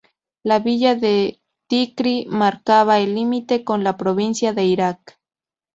La villa de Tikrit marcaba el límite con la provincia de Irak.